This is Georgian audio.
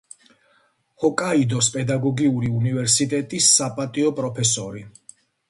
ჰოკაიდოს პედაგოგიური უნივერსიტეტის საპატიო პროფესორი.